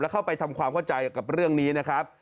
เข้าไปทำความเข้าใจกับเรื่องนี้นะครับ